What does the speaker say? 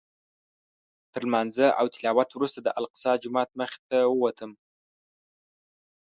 تر لمانځه او تلاوت وروسته د الاقصی جومات مخې ته ووتم.